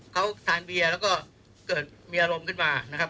เขาทานเบียร์แล้วก็เกิดมีอารมณ์ขึ้นมานะครับ